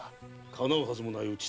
かなうはずもない討ち